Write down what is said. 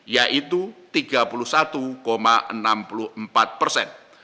yaitu tiga puluh satu enam puluh empat persen